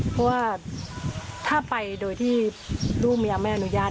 เพราะว่าถ้าไปโดยที่ลูกเมียไม่อนุญาต